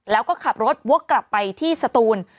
แล้วก็ขับรถวกกลับไปที่สตูน